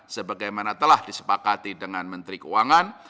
sebagaimana telah disepakati dengan menteri keuangan